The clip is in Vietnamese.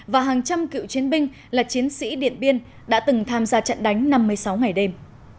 và hàng trăm cựu chiến binh là chiến sĩ điện biên đã từng tham gia trận đánh năm mươi sáu ngày đêm